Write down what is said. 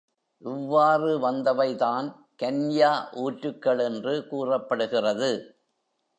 இவ்வாறு வந்தவைதான் கன்யா ஊற்றுகள் என்று கூறப்படுகிறது.